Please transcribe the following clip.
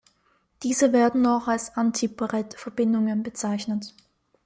Diese werden auch als "anti-Bredt"-Verbindungen bezeichnet.